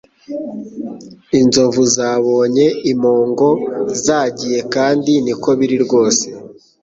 Inzovu zabonye impongo zagiye kandi niko biri rwose